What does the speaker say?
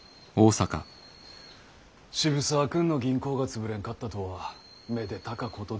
渋沢君の銀行が潰れんかったとはめでたかことです。